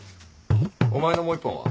お前のもう１本は？